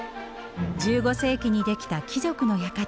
１５世紀に出来た貴族の館